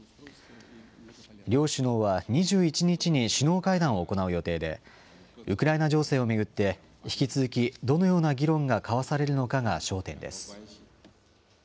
両首脳は２１日に首脳会談を行う予定で、ウクライナ情勢を巡って、引き続きどのような議論が交わされるのかが焦点です。